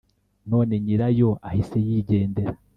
none nyirayo ahise yigendera